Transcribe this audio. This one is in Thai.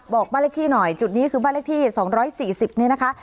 บอกบ้านเลขที่หน่อยจุดนี้คือบ้านเลขที่๒๔๐นี่นะคะ